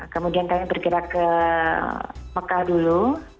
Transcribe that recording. kemudian kami bergerak ke mekah dulu